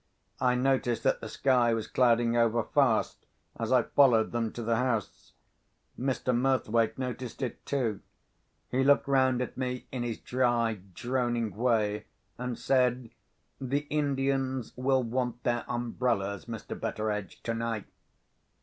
I noticed that the sky was clouding over fast, as I followed them to the house. Mr. Murthwaite noticed it too. He looked round at me, in his dry, droning way, and said: "The Indians will want their umbrellas, Mr. Betteredge, tonight!"